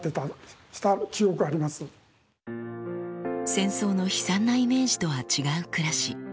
戦争の悲惨なイメージとは違う暮らし。